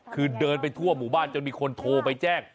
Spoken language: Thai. คือเดินไปทั่วหมู่บ้านจนมีคนโทรไปแจ้ง